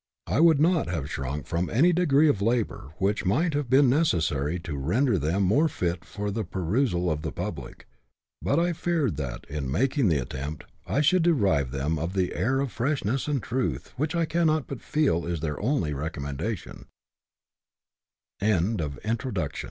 I would not have shrunk from any degree of labour which might have been necessary to render them more fit for the perusal of the public, but I feared that, in making the attempt, I should deprive them of the air of freshness and truth, which I cannot but feel is th